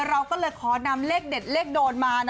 เราก็เลยขอนำเลขเด็ดเลขโดนมา